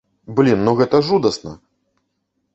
Блін, ну гэта жудасна!